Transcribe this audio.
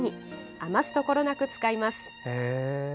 余すところなく使います。